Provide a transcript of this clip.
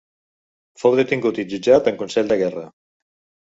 Fou detingut i jutjat en consell de guerra.